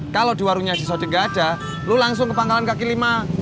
kalau di warungnya sode gajah lu langsung ke pangkalan kaki lima